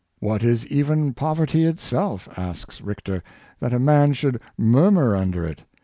"What is even poverty itself," asks Richter, "that a man should murmur under it?